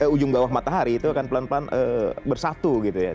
ujung bawah matahari itu akan pelan pelan bersatu gitu ya